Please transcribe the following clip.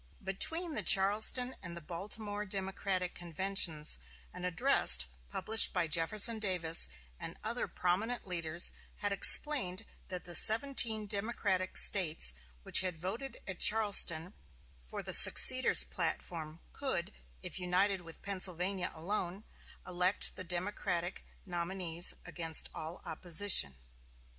Between the Charleston and the Baltimore Democratic conventions an address published by Jefferson Davis and other prominent leaders had explained that the seventeen Democratic States which had voted at Charleston for the seceders' platform could, if united with Pennsylvania alone, elect the Democratic nominees against all opposition.